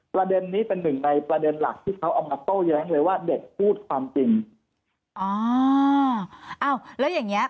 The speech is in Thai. ประเด็นนี้เป็นหนึ่งในประเด็นหลักที่เขาเอามาโต้แย้งเลยว่าเด็กพูดความจริงอ๋ออ้าวแล้วอย่างเงี้